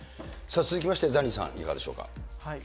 続きましてザニーさん、いかがでしょうか。